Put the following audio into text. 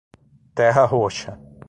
Terra Roxa